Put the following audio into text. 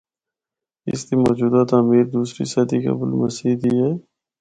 اس دی موجودہ تعمیر دوسری صدی قبل مسیح دی ہے۔